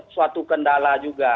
suatu kendala juga